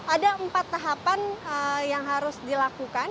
ada empat tahapan yang harus dilakukan